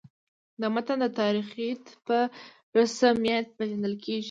د متن د تاریخیت په رسمیت پېژندل دي.